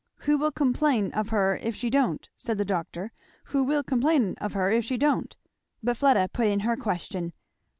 "Who will complain of her if she don't?" said the doctor. "Who will complain of her if she don't?" But Fleda put in her question.